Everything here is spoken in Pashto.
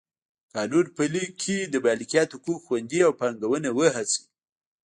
قانون پلی کړي د مالکیت حقوق خوندي او پانګونه وهڅوي.